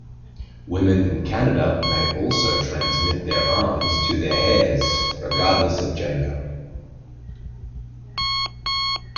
Women in Canada may also transmit their arms to their heirs, regardless of gender.